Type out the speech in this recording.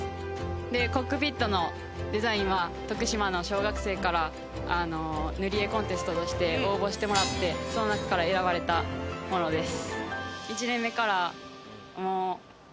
でコックピットのデザインは徳島の小学生からぬりえコンテストとして応募してもらってその中から選ばれたものです。